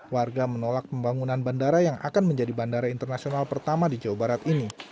warga menolak pembangunan bandara yang akan menjadi bandara internasional pertama di jawa barat ini